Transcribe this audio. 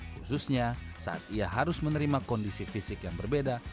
khususnya saat ia harus menerima kondisi fisik yang berbeda